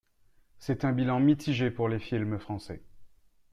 C'est un bilan mitigé pour les films français.